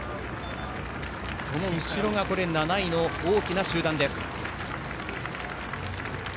その後ろが７位の大きな集団です。